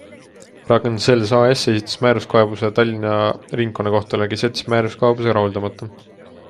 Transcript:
Ragn-Sells AS esitas määruskaebuse Tallinna ringkonnakohtule, kes jättis määruskaebuse rahuldamata.